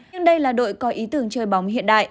nhưng đây là đội có ý tưởng chơi bóng hiện đại